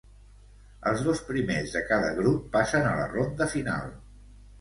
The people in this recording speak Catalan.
Els dos primers de cada grup passen a la ronda final.